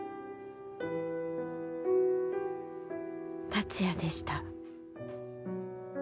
達也でした。